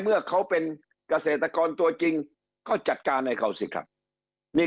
เมื่อเขาเป็นเกษตรกรตัวจริงก็จัดการให้เขาสิครับนี่